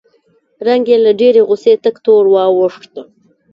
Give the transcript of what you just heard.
رنګ یې له ډېرې غوسې تک تور واوښت